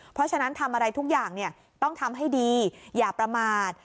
เพราะฉะนั้นทำอะไรทุกอย่างต้องทำให้ดีอย่าประมาท